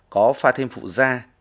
có pha thêm phụ ra